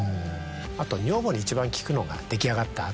あと女房に一番聞くのが出来上がった後。